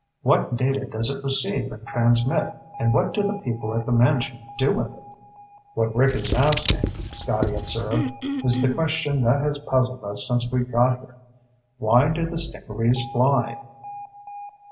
What data does it receive and transmit, and what do the people at the mansion do with it?" "What Rick is asking," Scotty observed, "is the question that has puzzled us since we got here. Why do the stingarees fly?"